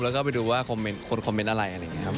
แล้วก็ไปดูว่าคนคอมเมนต์อะไรอะไรอย่างนี้ครับ